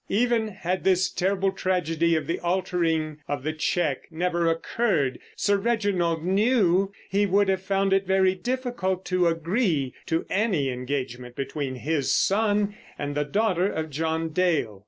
Even had this terrible tragedy of the altering of the cheque never occurred, Sir Reginald knew he would have found it very difficult to agree to any engagement between his son and the daughter of John Dale.